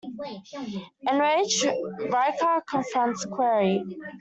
Enraged, Rycker confronts Querry.